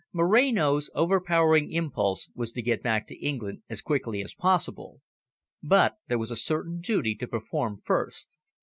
Moreno's overpowering impulse was to get back to England as quickly as possible. But there was a certain duty to perform first.